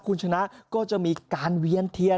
คุณชนะก็จะมีการเวียนเทียน